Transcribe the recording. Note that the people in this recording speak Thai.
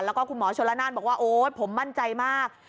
แล้วก็คุณหมอชนละนานบอกว่าโอ๊ยผมมั่นใจมาก